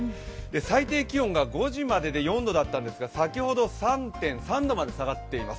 最低気温が５時までで４度だったんですが先ほど３．３度まで下がっています。